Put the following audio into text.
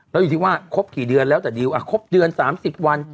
แล้วอยู่ที่ว่าครบกี่เดือนแล้วแต่ดิวครบเดือน๓๐วัน